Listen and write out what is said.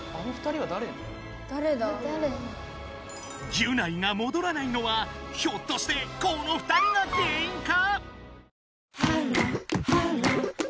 ギュナイがもどらないのはひょっとしてこの２人が原因か！